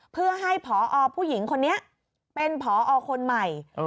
เพื่อให้ผอผู้หญิงคนนี้เป็นผอคนใหม่